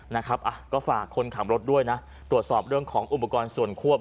นะครับอ่ะก็ฝากคนขับรถด้วยนะตรวจสอบเรื่องของอุปกรณ์ส่วนควบ